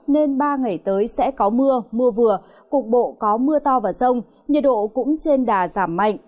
nên ba ngày tới sẽ có mưa mưa vừa cục bộ có mưa to và rông nhiệt độ cũng trên đà giảm mạnh